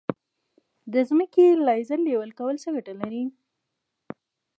د ځمکې لیزر لیول کول څه ګټه لري؟